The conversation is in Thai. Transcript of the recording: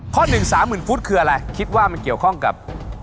หนึ่งสามหมื่นฟุตคืออะไรคิดว่ามันเกี่ยวข้องกับ